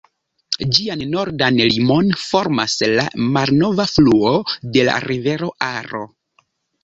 Ĝian nordan limon formas la malnova fluo de la rivero Aro.